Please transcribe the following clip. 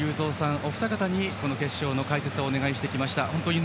お二方に解説をお願いしてきました。